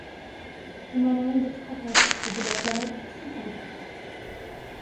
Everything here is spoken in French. Humanoïde extraterrestre de la planète Psychon.